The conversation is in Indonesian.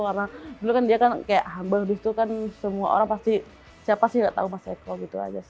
karena dulu kan dia kan kayak hambal disitu kan semua orang pasti siapa sih yang tau mas eko gitu aja sih